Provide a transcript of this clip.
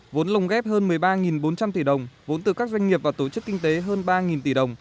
vốn lồng ghép hơn một mươi ba bốn trăm linh tỷ đồng vốn từ các doanh nghiệp và tổ chức kinh tế hơn ba tỷ đồng